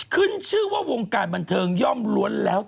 ขึ้นชื่อว่าวงการบันเทิงย่อมล้วนแล้ว